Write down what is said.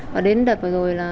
và đến đợt vừa rồi